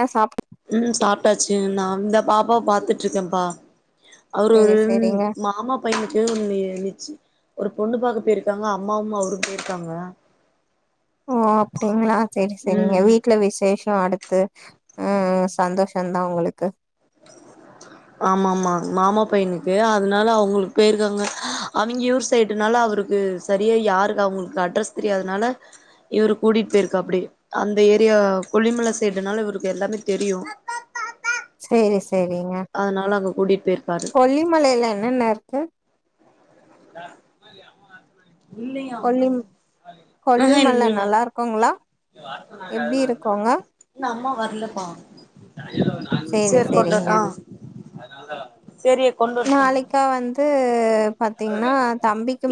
ஆ சாப் ம் சாப்ட்டாச்சு நா அந்த பாப்பாவ பாத்துட்டு இருக்கேன்ப்பா அவுரு சேரி சேரிங்க மாமா பையனுக்கு நி நிச்சி ஒரு பொண்ணு பாக்க போயிருக்காங்க அம்மாவுமா அவரு போயிருக்காங்க ஓ அப்டிங்களா செரி செரிங்க ம் வீட்ல விசேஷ் அடுத்து ம் சந்தோஷந்தா உங்களுக்கு ஆமாமா மாமா பையனுக்கு அதனால அவுங்களுக் பேயிருக்காங்க அவிங்க ஊர் சைடுனால அவருக்கு சரியா யாருக்கு அவுங்களுக்கு அட்ரஸ் தெரியாதனால இவரு கூட்டிட்டு போயிருக்காப்படி அந்த ஏரியா கொல்லிமல சைடுனால இவருக்கு எல்லாமே தெரியு செரி செரிங்க அதனால அங்கே கூட்டிட்டு போயிருக்காரு கொல்லிமலையில என்னென்ன இருக்கு ஆ கொல்லி ஆ இல்ல வா கோங்களா அம்மா வரலப்பா சேரி சேர் கொண்ட சேரிங்க ஆ சேரி நாளைக்கா வந்து பாத்தீங்கன்னா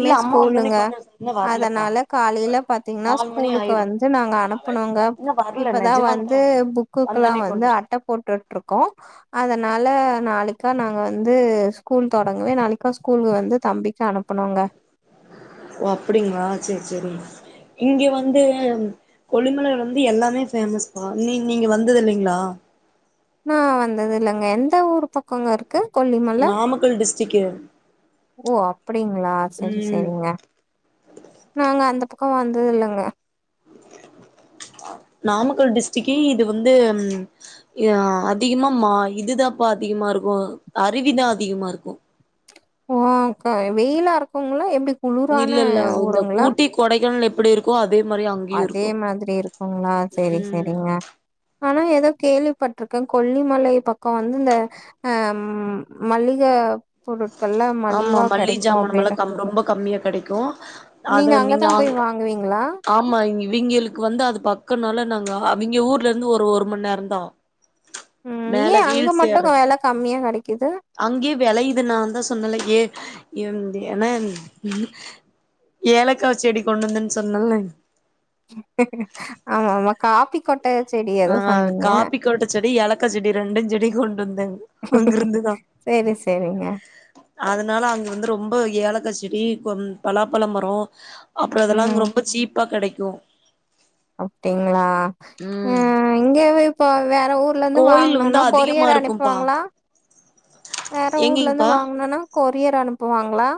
இல்ல அம்மா வந்தோனே ஸ்கூலுங்க கொண்டு வர சொல் இன்னு வரலப்பா அதனால காலையில பாத்தீங்கன்னா நாலு மணி ஸ்கூலுக்கு ஆயிரு வந் து நாங்க அனுப்புனுங்க இன்னு வரல இப்பதா நெஜமாலுதா வந்து புக்குக்குல்லா வந்தோனே வந்து கொண்டு வர அட்ட சொல் போட்டுட்டு இருக்கோ அதனால நாளைக்கா நாங்க வந் து ஸ்கூல் தொடங்கவே நாளைக்கா ஸ்கூல் வந்து தம்பிக்கு அனுப்பனுங்க ஓ அப்டிங்களா செரி செரி இங்க வந்து கொல்லிமலைல வந்து எல்லாமே ஃபேமஸ் பா நீ நீங்க வந்தது இல்லைங்களா நா வந்தது இல்லங்க எந்த ஊர் பக்ககோங்க இருக்கு கொல்லிமல நாமக்கல் டிஸ்ட்ரிக்கு ஓ அப்டிங்களா சேரி ம் சேரிங்க நாங்க அந்த பக்கோ வந்தது இல்லங்க நாமக்கல் டிஸ்ட்ரிக்கு இது வந்து அ அதிகமா மா இதுதாப்பா அதிகமா இருக்கு அருவிதா அதிகமா இருக்கு ம் கா வெயிலா இருக்குங்ளா எப்டி குளுரான இல்ல இல்ல இந்த ஊருங்களா ஊட்டி கொடைக்கானல் எப்டி இருக்கோ அதே மாரி அங் அதே மாதிரி இருக்குங்ளா சேரி ம் சேரிங்க ஆனா ஏதோ கேள்விப்பட்டிருக்க கொல்லிமலை பக்கோ வந்து இந்த அ மளிக பொருட்கள்லா ஆமா மலிவா மல்லி கெடைக்கு ஜாமானமெல்லா அப்டின்னு கம் ரொம்ப கம்மியா கெடைக்கு நீங்க அத அங்கதா அங் போய் வாங்குவீங்ளா ஆமா இவைங்களுக்கு வந்து அது பக்கனால நாங்க அவைங்க ஊர்லருந்து ஒரு ஒரு மண்நேரோந்தா ம் ஏ அங்க மட்டு வெல கம்மியா கெடைக்குது அங்கேயே விளயுது நான்தா சொன்னல ஏ ஏ என்ன ஏலக்கா செடி கொண்டு வந்தன்னு சொன்னல்ல ஆமா ஆமா காஃபி கொட் ட செடி அ ஏதோ சொன்னீங்க. காஃபிக்கொட்டசெடி ஏலக்காச்செடி ரெண்டு செடியு கொண்டு வந்தேங் சேரி சேரிங்க அதனால அங்க வந்து ரொம்ப ஏலக்காச் செடி கொ பலாப்பழ மரோ அப்றோ அதெல்லா ம் அங்க ரொம்ப சீப்பா கெடைக்கு அப்டிங்ளா ம் இங்கவே இப்போ வேற ஊர்லந்து கோயில் வந்து வாங்கனோன்னா அதிகமா கொரியர் இருக்கும்பா அனுப்புவாங்ளா வேற ஊர்லந்து எங்கேங்ப்பா வாங்கனுன்னா கொரியர் அனுப்புவாங்ளா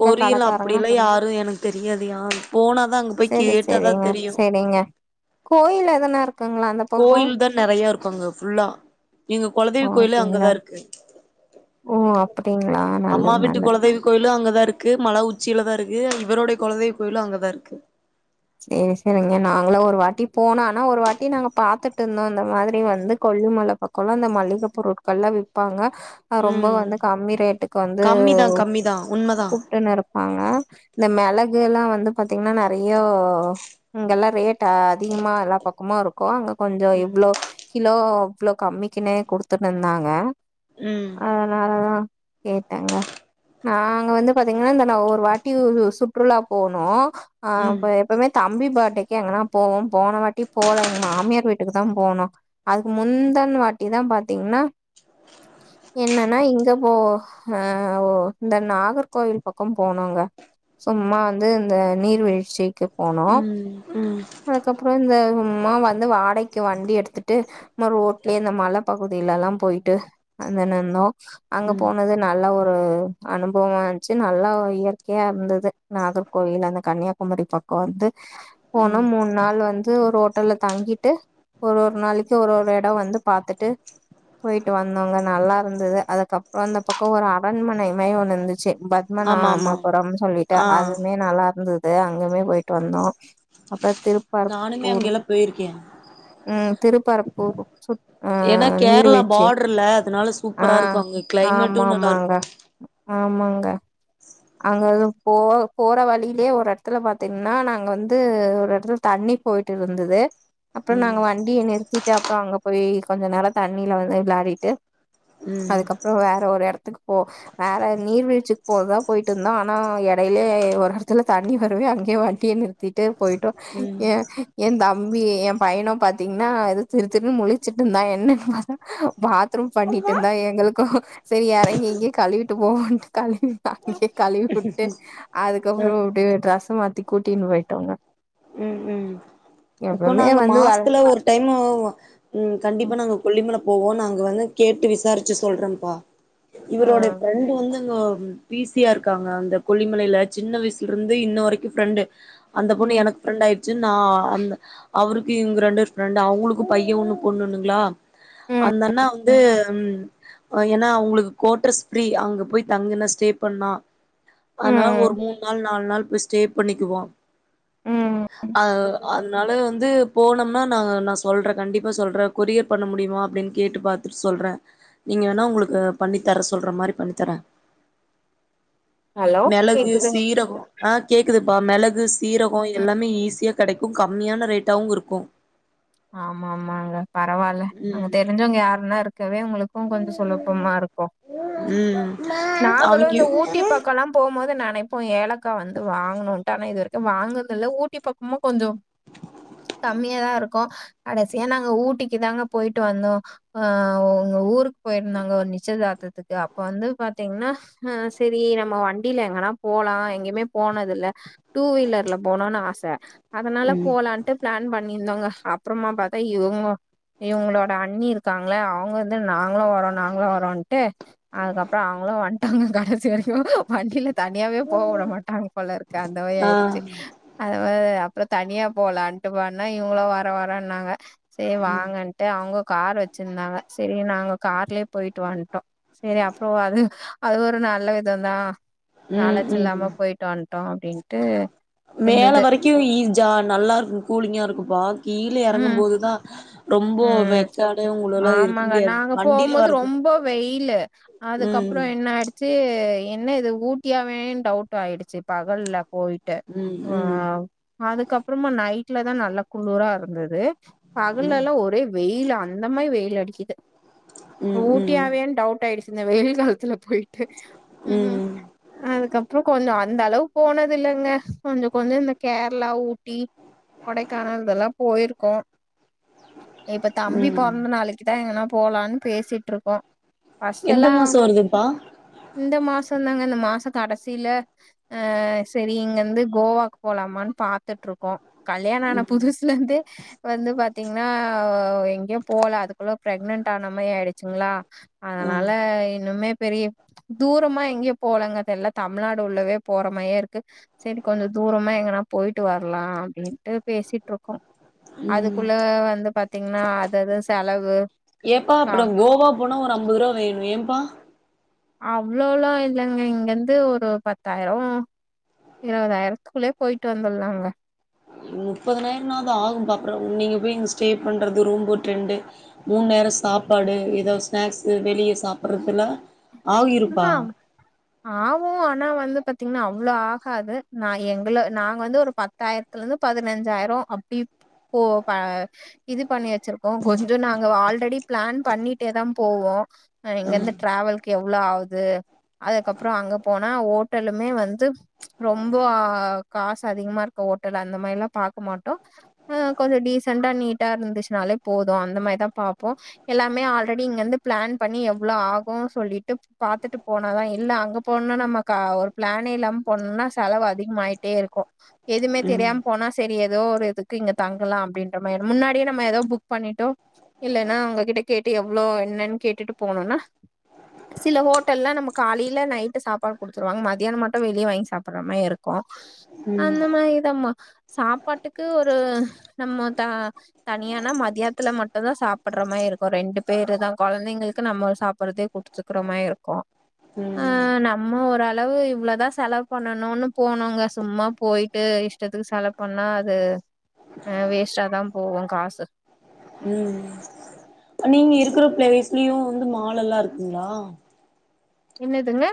கொரியர்லா அப்டில்லா யாரு எனக்கு தெரியாது யா போனாதா அங்கப்போய் சேரி கேட் சேரிங்க சேரிங்க கோயில் எதுனா இருக்குங்ளா அந்த பக்கோ கோயில்தா நெறைய இருக்கு அங்க ஃபுல்லா எங்க கொல ஓ தெய்வ கோயிலே அப்டிங்களா அங்கதா இருக்கு ஓ அப்டிங்களா அம்மா நல்லது வீட்டு நல்லது கொலதெய்வ கோயிலு அங்கதா இருக்கு மல உச்சியிலதா இருக்கு, இவருடைய கொல தெய்வ கோயிலு அங்கதா இருக்கு சேரி சேரிங்க நாங்களு ஒரு வாட்டி போனோ ஆனா ஒரு வாட்டி நாங்க பாத்துட்டு இருந்தோ அந்த மாதிரி வந்து கொல்லிமல பக் கோலா இந்த மளிகப் பொருட்கள்ல்லா விப்பாங்க அ ரொம்ப ம் வந்து கம்மி ரேட்டுக்கு வந்து கம்மிதா கம்மிதா உண்மதா கூப் டுனு இருப்பாங்க இந்த மெளகுல்லா வந்து பாத்தீங்னா நெறையோ ஒ இங்கல்லா ரேட் அதிகமா எல்லா பக்கமு இருக்கு அங்க கொஞ்சோ இவ்ளோ கிலோ இவ்ளோ கம்மிக்குனே குடுத்துன்னு இருந்தாங்க ம் அதனாலதா கேட்டங்க நாங்க வந்து பாத்தீங்கன்னா இந்தன்ன ஒரு வாட்டி சுற்றுலா போனோ அ ம் அப்ப எப்பவுமே தம்பி பர்டேக்கு எங்கனா போவோ போன வாட்டி போல எங்க மாமியார் வீட்டுக்கு தா போனோ அதுக்கு முந்தன்வாட்டி தா பாத்தீங்னா என்னனா இங்க போ அ ஒ இந்த நாகர்கோவில் பக்கோ போனோங்க சும்மா வந்து இந்த நீர்வீழ்ச்சிக்கு போனோ ம் ம் அதுக்கப்றோ இந்த சும்மா வந்து வாடக்கி வண்டி எடுத்துட்டு சும்மா ரோட்லே இந்த மல பகுதியிலலா போயிட்டு வந்துன்னு இருந்தோ அங்க ம் போனது நல்ல ஒரு அனுபவமா இந்துச்சி நல்லா இயற்கையா இருந்துது நாகர்கோவில் அந்த கன்னியாகுமரி பக் கோ வந்து போனோ ம் மூண் நாள் வந்து து ஒரு ஓட்டல்ல தங்கிட்டு ஒர்ஒரு நாளிக்கி ஒரு ஒரு எடோ வந்து பாத்துட்டு போயிட்டு வந்தோங்க நல்லா இருந்துது அதுக்கப்றோ அந்த பக்கோ ஒரு அரண்மனையுமே ஒன்னுந்துச்சு பத் ஆமா ஆமா பத்மநாமப்புரம் சொல்லிட்டு ஆ அதுமே நல்லா இருந்துது அங்குமே போயிட்டு வந்தோ அப்புற நானுமே திற்பரபூர் அங்கெல்லா போயிருக்கே ம் திறுப்பரப்பு சுட் நீர்விழ் பார்ட்ருல அதனால சூப்பராக இருக்கு அங்க ஆமா கிளைமேட்டு நல்லார்க் ஆமாங்க ஆமாங்க அங்கக போ போற வழிலே ஒரு எட்த்துல பாத்தீங்னா நாங்க வந்து ஒரு இடத்துல தண்ணி போயிட்டு இருந்துது அப்புற நாங்க ம் வண்டிய நிறுத்தி எ அப்புற அங்க போய் கொஞ்ச நேர தண்ணில வந்து விளாடிட்டு ம் அதுக்கப்புற வேற ஒரு இடத்துக்கு போ வேற நீர்வீழ்ச்சிக்கு போறதா போய்ட்டுந்தோ ஆனா எடைலே ஒரு இடத்துல தண்ணி வரவே அங்யே வண்டிய நிறுத்திட்டு போய்ட்டோ ஏ எந் தம்பி எ பையனு பாத்தீங்னா எது திரு திருனு முழிச்சுட்டு இந்தாங்க என்னன் ப பாத்ரூம் பண்ணிட்ருந்தா எங்களுக்கு செரி எறங்கி இங்யே கழுவிட்டு போவோன்டு கழுவி அங்யே கழுவி வுட்டு அதுக்கப்புற ம் அப்டே டிரசமாத்தி கூட்டின் போயிட்டோங்க ம் ம் எப்பமே வந்து வேல டைமுவ்வு ம் கண்டிப்பா நாங்க கொல்லிமல போவோ நாங்க வந்து கேட்டு விசாரிச்சு சொல்றேப்பா ஆ இவரோடை பிரண்டு வந்து பிசியா இருக்காங்க அந்த கொல்லிமலைல சின்ன வயசுல இருந்து இன்னொ வரைக்கு ஃப்ரெண்டு அந்த பொண்ணு ம் எனக்கு ஃப்ரெண்ட் ஆயிடுச்சு நா அந்த அவருக்கு இவுங்க ரெண்டேர் ஃப்ரெண்டு அவுங்ளுக்கு பைய ஒன்னு பொண்ணு ஒன்னுங்ளா ம் அந்த அண்ண வந்து ம் ஏனா அவுங்ளுக்கு கோட்ரஸ் ஃப்ரீ அங்க போய் தங்கனா ஸ்டே பண்ணா அதனால ஒரு ம் மூண் நாள் நால் நாள் போய் ஸ்டே பண்ணிக்குவோ ம் அ அதனால வந்து போனம்னா நாங்க நா சொல்ற கண்டிப்பா சொல்ற கொரியர் பண்ண முடியுமா அப்டின் கேட்டு பாத்துட்டு சொல்ற நீங்க வேணா உங்ளுக்கு பண்ணி தர சொல்ற மாரி பண்ணி தரே [inaudible] மெளகு கேக்குது சீர ஆ கேக்குதுப்பா மெளகு சீரகோ எல்லாமே ஈஸியா கெடைக்கு கம்மியான ரேட்டாவு இருக்கு ஆமா ஆமாங்க பரவால்ல அங்க ம் தெரிஞ்சவங்க யார்னா இருக்கவே உங்களுக் கு கொஞ்ச சுலபமா இருக்கு ம் நாங்களு இந்த அவிங்க ஊட்டி பக் கலா போம்போது நெனைப்போ ஏலக்கா வந்து வாங்கணுன்ட்டு ஆனா இது வரைக்கு வாங்கன்தில்ல ஊட்டி பக்கமா கொஞ்ச கம்மியாதா இருக்கு கடைசியா நாங்க ஊட்டிக்கு தாங்க போய்ட்டு வந்தோ அ உங்க ஊருக் போயிருந்தாங்க ஒ நிச்சதார்த்தத்துக்கு அப்ப வந்து பாத்தீங்கன்னா ஆ செரி நம்ம வண்டில எங்கன்னா போலா எங்கியுமே போனதுல்ல டூ வீலர்ல போனுன்னு ஆச அதனால ம் போலான்ட்டு ப்ளான் பண்ணிர்ந்தோங்க அப்றமா பாத்தா இவுங்க இவுங்களோட அண்ணி இருக்காங்ள அவுங்க வந்து நாங்களு வரோ நாங்களு வரோன்ட்டு அதுக்கப்பற அவுங்களு வன்ட்டாங்க கடசி வரிக்கு வண்டில தனியாவே போ வுட மாட்டாங் போலற்க்கு அந்த மாரி ஆ ஆய்டுச்சு அத மா அப்ற தனியா போலான்ட்டு வான்னா இவுங்குளு வர வரன்னாங்க சே வாங்கன் ட்டு அவுங்க கார் வச்சிர்ந்தாங்க சேரி நாங்க கார்லே போயிட்டு வன்ட்டோ செரி அப்றொ அது அது ஒரு நல்ல விதந்தா ம் அலச்ச ம் இல்லாம பொய்ட்டு வன்ட்டோ அப்டின்ட்டு இர்ந்துது க்யூ இ ஜா நல்லார்க்கு கூலிங்கா இருக்கும்ப்பா கீழ எறங்கும் ம் போதுதா ரொம்ப ம் வெக்காடே உங்களலா இருக்க ஆமாங்க முடியாது நாங்க வண்டில வரத்துக் அதுக்கப்றொ என்ன ஆய்டு ச்சு என்ன இது ஊட்டியா வேண் டவுட் ஆயிடுச்சு பகல்ல போய் ட்டு ஆ ம் அதுக்கப்பறமா நைட்ல தா நல்ல குளூரா இருந்துது ம் லில்லா ஒரே வெயிலு அந்த மாறி வெயில் அடிக்குது ம் ம் ஊட்டியாவேன் டவுட் ஆயிடுச் இந்த வெயில் காலத்துல பொய்ட்டு ம் அதுக்கப்ற கொஞ்சொ அந்த அளவ் போனதுல்லங்க கொஞ்சொ கொஞ்சொ இந்த கேப் ல்லா ஊட்டி கொடைக்கானல் இதெல்லா போயிர்க்கோ இப்ப தம்பி ம் பொறந்தநாளிக்கு தா எங்கன்னா போலான்னு பேசிட்ருக்கோ ஃபஸ்ட் எந்த எல்லா மாசோ போ வருதுப்பா இந்த மாசந்தாங்க இந்த மாசக் கடசில அ செரி இங்கர்ந்து கோவாக்கு போலாமான்னு பாத்துட்ருக்கோ கல்யாணஆன ம் புதுஸ்லந்தே வந்து பாத் தீங்கனா எங்கியு போல அதுக்குள்ள பிரெக்னன்ட் ஆனமே ஆயிடுச்சுங்களா ஆ அதனால இன்னுமே பெரிய தூரமா எங்கியு போலங்க இப்ப எல்லா தமிழ்நாடு உள்ளவே போற மாயே இருக்கு செரி கொஞ்சொ தூரமா எங்கனா போயிட்டு வர்லா அப்டின்ட்டு பேசிட்ருக் கோ ம் அதுக்குள்ள வந்து பாத்தீங்ன்னா அது அது செலவு ஏப்பா ஆ அப்ற கோவா போனா ஒரு அம்பதுருவா வேணு ஏம்ப்பா அவ்ளோலா இல்லங்க இங்கெந்து ஒரு பத்தாயிரொ இரவதாயிரத்குள்ளே போய்ட்டு வந்துல்லாங்க முப்பதனாயிரனாவ்து ஆகும்ப்பா அப்பற நீங்க போய் இங்க ஸ்டேபண்றது ரூம்போட்டுண்டு மூண்நேர சாப்பாடு எதோ ஸ்நாக்ஸ்ஸு வெளிய சாப்புட்றதுல்ல ஆகிருப்பா ஆகு ஆனா வந்து பத்தீங்ன்னா அவ்ள ஆஹாது நா எங்கள நாங்க வந்து ஒரு பத்தாயிர்த் லந்து பதினெஞ்சாயிர அப்பி போ ப இது பண்ணி வெச் சிர்க்போம் கொஞ்சொ நாங்க ஆல்ரெடி பிளான் பண்ணிட்டே தாம் போவோ அ இங்கெர்ந்து டிராவெல் இவ்ளோ ஆவுது அதுக்கப்றோ அங்க போனா ஒட்டலுமே வந்து ரொம்பொ காசுஅதிகமா இருக்க ஓட்டல் அந்த மாரில்லா பாக்க மாட்டொ அ கொஞ்சொ டிசென்ண்டா நீட்டா இருந்துச்னாலே போது அந்த மாரிதா பாப்போ எல்லாமே ஆல்ரெடி இங்க இர்ந்து பிளான் பண்ணி எவ்ளோ ஆகு சொல்லிட் டுப் பாத்துட்டு போனாதா இல்ல அங்க போனா நம்மக் க ஒரு பிளானே இல்லாம போண்னா செலவு அதிகமாயிட் டே இருக்கு எதுமே ம் தெரியாம் போனா செரி ஏதோ ஒரு இதுக்கு இங்க தங்குலா அப்டின்ற மாறி முன்னாடி நம்ம ஏதோ புக் பண்ணிட்டொ இல்லைன்னா அவங்ககிட்ட கேட்டு எவ்ளோ என்னன் கேட்டுட்டு போணொன்னா சில ஹோட்டல்ல நம்ம காலையில நைட்டு சாப்பாடு குடுத்துருவாங்க மதியானோ மட்டு வெளில வாங்கி சாப்புட்ற மாரி இருக்கு போ ம் அந்த மாரி தாம்மா சாப்பாட்டுக்கு ஒரு நம்மோ தா தனியானா மதியத்துல மட்டுந்தா சாப்புட்ற மாரி இருக்கு ரெண்டு பேரு தா கொழந்தைங்களுக்கு நம்ம சாப்புட்றது குடுத்துக்கிற மாரி இருக்கு ம் ஆ நம்ம ஓரளவு இவ்ளோதா செலவு பண்ணனுன்னு போனோங்க சும்மா போயிட் ட்டு இஷ்டத்துக்கு செலவு பண்ணா அது அ வேஸ்ட்டா தா போகு காசு ம் நீங்க இருக்குற ப்ளஸ்லயு வந்து மால்லெல்லா இருக்குங்ளா என்னதுங்க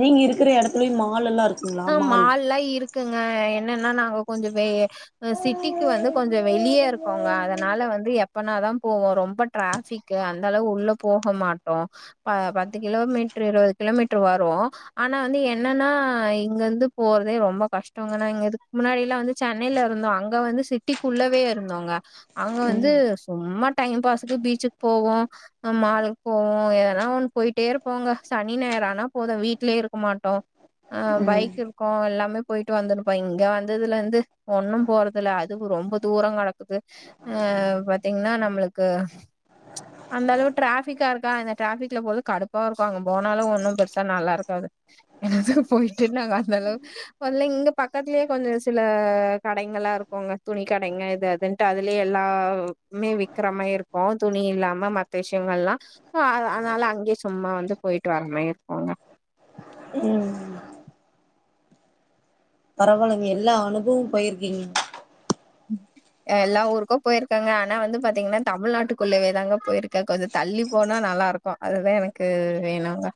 நீங்க இருக்குற எடத்துலயு மால்லெல்லா இருக் ஆ மால் எல்லா இருக்குங்க என்னன்னா நாங்க கொஞ்ச பே சிட்டிக்கு வந்து கொஞ்ச வெளிய இருக்கோங்க அதுனால வந்து எப்பனாதா போவோ ரொம்ப டிராபிக்கு அந்த அளவு உள்ள போக மாட்டோ ப பத்து கிலோமீட்ரு இருவது கிலோமீட்ரு வரு ஆனா வந்து என்னன்னா இங்க இருந்து போறதே ரொம்ப கஷ்டங்கன்னா இங்க இதுக்கு முன்னாடிய எல்லா வந்து சென்னையில இருந்தோ அங்க வந்து சிட் சிட்டிக்குள்ளவே இருந்தோங்க அங்க வந்து சும்மா டைம் பாஸ்க்கு பீச்ஜுக்கு போவோ மால்கு போவோ எதன்னா ஒண்ணு போயிட்டே இருப்போங்க சனி ஞாயிறு ஆனா போது வீட்லயே இருக்க மாட்டோ அ ம் பைக் இருக்கு எல்லாமே பொயிட்டு வந்துருப்போ இங்க வந்ததுல இருந்து ஒண்ணும் போறதுல்ல அதுக்கு ரொம்ப தூரோ கெடக்குது ஆ பாத்தீங்னா நம்ளுக்கு அந்த அளவு டிராஃபிக்கா இருக்கா இந்த டிராஃபிக்ல போறது கடுப்பா இருக்கு அங்க போனாலு ஒன்னும் பெருசா நல்லா இருக்காது என்னது பொயிட்டு நாங்க அஞ் தளவு மொதல்ல இங்க பக்கத்துலயே கொஞ்ச சில கடைங்களா இருக்குங்க துணி கடைங்க எது அதுன் அதுலயே எல்லாமே வெக்குற மாரி இருக்கு துணி இல்லாம மத்த விஷயங்கள்லா அ அது அதுனால அங்கேயே சும்மா வந்து பொயிட்டு வர மாரி இருக்குங்க ம் பரவால்லங்க எல்லா அனுப்பவு போயிருக்கீங்க ம் அ எல்லா ஊருக்கு போயிருக்கங்க ஆனா வந்து பாத்தீங்கன்னா தமிழ்நாட்டுக்குள்ளவே தாங்க போயிருக்கே கொஞ்ச தள்ளி போனா நல்லாருக்கு அதுதா எனக்கு வேணாங்க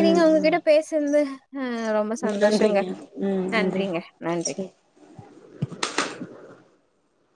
ம் ம் ரொம்ப சந்தோஷங்க நன்றிங்க ம் நன்றி நன்றிங்க நன்றி சேரி